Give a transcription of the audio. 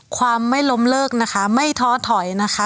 ความไม่ล้มเลิกนะคะไม่ท้อถอยนะคะ